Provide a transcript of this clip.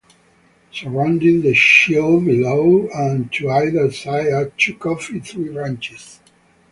Surrounding the shield below and to either side are two coffee tree branches.